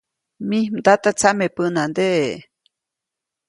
Mij mdata tsameʼpänandeʼe.